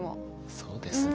そうですね。